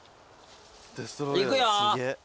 いくよ。